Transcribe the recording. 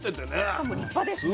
しかも立派ですね。